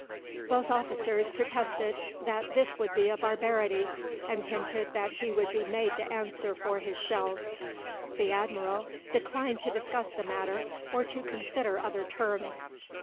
Both officers protested that this would be a barbarity, and hinted that he would be made to answer for his shells. The Admiral declined to discuss the matter or to consider other terms.